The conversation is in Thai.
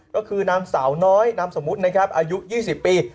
ก็คือนางสาวน้อยนามสมมุตินะครับอายุ๒๐ปี